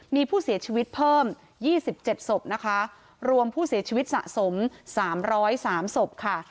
มีผู้เสียชีวิตเพิ่ม๒๗ศพนะคะรวมผู้เสียชีวิตสะสม๓๐๓ศพค่ะ